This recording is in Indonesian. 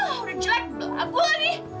wuh udah jelek belum ragu lagi